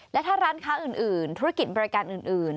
และถ้าร้านค้าอื่นธุรกิจบริการอื่น